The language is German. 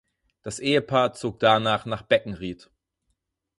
Das Ehepaar zog danach nach Beckenried.